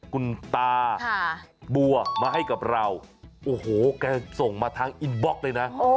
คุณตาบัวมาให้กับเราโอ้โหแกส่งมาทางอินบล็อกเลยนะ